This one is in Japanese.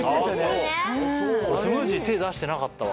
スムージー手出してなかったわ。